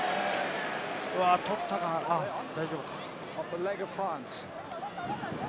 取ったか、大丈夫か。